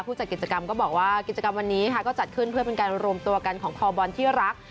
จัดกิจกรรมก็บอกว่ากิจกรรมวันนี้ค่ะก็จัดขึ้นเพื่อเป็นการรวมตัวกันของคอบอลที่รัก